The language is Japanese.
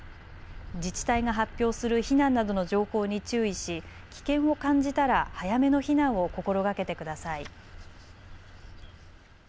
自治体が発表する避難などの情報に注意し危険を感じたら早めの避難を心がけてください。